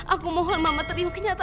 aku gak bakal biarin itu